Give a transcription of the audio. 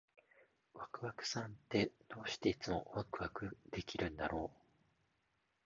ワクワクさんって、どうしていつもワクワクできるんだろう？